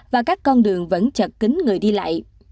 và các con đường vẫn chật kính người đi lại